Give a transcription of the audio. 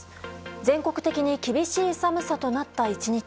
全国的に厳しい寒さとなった１日。